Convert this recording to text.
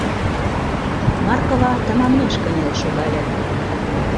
Маркова тыманмеш кынел шогале.